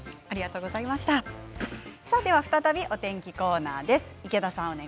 再びお天気コーナーです。